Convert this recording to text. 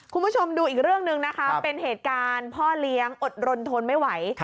คุณผู้ชมดูอีกเรื่องหนึ่งนะคะเป็นเหตุการณ์พ่อเลี้ยงอดรนทนไม่ไหว